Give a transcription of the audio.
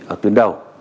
ở tuyến đầu